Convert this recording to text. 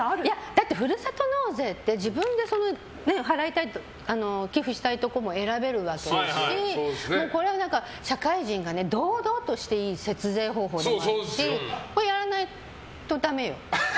だって、ふるさと納税って自分で寄付したいところも選べるわけですしこれは社会人が堂々としていい節税方法でもあってこれは、やらないとだめよ。